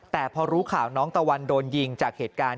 แต่พอรู้ข่าวน้องตะวันโดนยิงจากเหตุการณ์